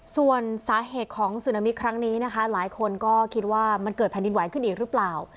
ส่วนสาเหตุของสุนามิครั้งนี้นะคะหลายคนก็คิดว่ามันเกิดแผ่นดินไหวขึ้นอีกหรือเปล่า